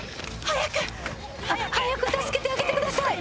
早く助けてあげてください